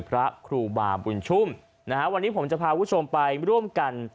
พระครูบาบุญชุ่มนะฮะวันนี้ผมจะพาคุณผู้ชมไปร่วมกัน